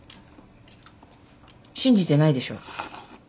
信じてないでしょ？